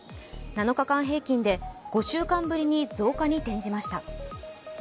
７日間平均で５週間ぶりに増加に転じました。